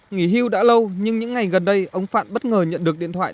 nghỉ hưu đã lâu nhưng những ngày gần đây ông phạn bất ngờ nhận được điện thoại